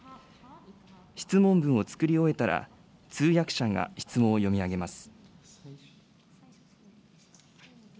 質問文を作り終えたら、通訳者が質問を読み上げます。